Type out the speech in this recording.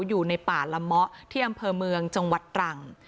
อยู่ในป่าละเมาะที่อำเภอเมืองจังหวัดตรัง